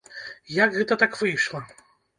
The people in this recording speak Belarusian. Як гэта так выйшла?